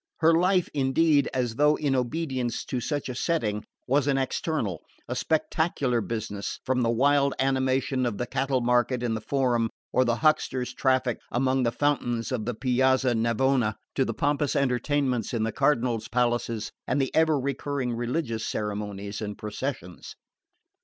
Her life, indeed, as though in obedience to such a setting, was an external, a spectacular business, from the wild animation of the cattle market in the Forum or the hucksters' traffic among the fountains of the Piazza Navona, to the pompous entertainments in the cardinals' palaces and the ever recurring religious ceremonies and processions.